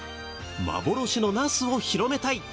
幻のナスを広めたい！